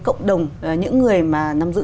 cộng đồng những người mà nằm giữ